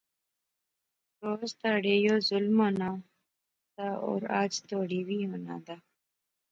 روز تہاڑے یو ظلم ہونا سا اور اج توڑی وی ہونا دا